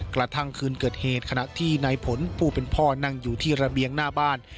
กระทั่งคืนเกิดเหตุขณะที่นายผลผู้เป็นพ่อนั่งอยู่ที่ระเบียงหน้าบ้าน